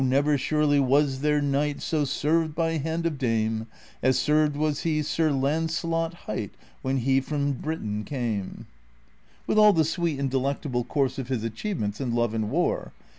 79 O never surely was there knight So served by hand of dame, As served was he Sir Lanceh)t liight When he from Britain came —• with all the sweet and delectable course of his achievements in love and war.